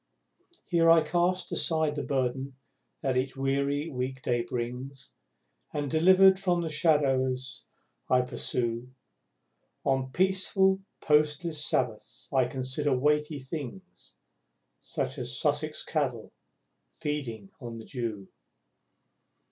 Here I cast aside the burden that each weary week day brings And, delivered from the shadows I pursue, On peaceful, postless, Sabbaths I consider Weighty Things Such as Sussex Cattle feeding in the dew!